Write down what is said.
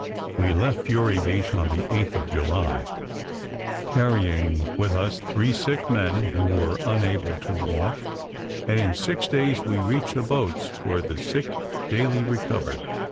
We left Fury Beach on the 8th of July, carrying with us three sick men, who were unable to walk, and in six days we reached the boats, where the sick daily recovered.